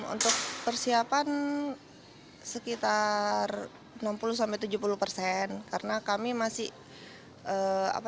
untuk persiapan sekitar enam puluh tujuh puluh persen karena kami masih apa